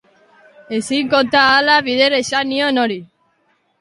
Ezin konta ahala bider esan nion hori.